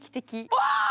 うわ！